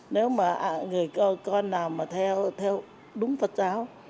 người con nào mà theo đúng phật giáo